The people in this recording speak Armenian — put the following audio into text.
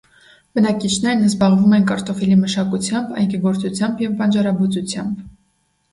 Բնակիչներն զբաղվում են կարտոֆիլի մշակությամբ, այգեգործությամբ և բանջարաբուծությամբ։